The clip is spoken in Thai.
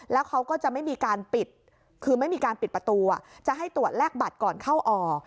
แล้วเขาก็จะไม่มีการปิดประตูจะให้ตรวจแลกบัตรก่อนเข้าออก